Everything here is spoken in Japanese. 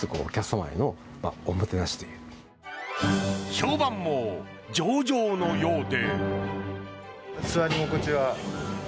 評判も上々のようで。